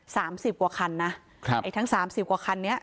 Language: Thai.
สามสิบกว่าคันนะครับไอ้ทั้งสามสิบกว่าคันเนี้ย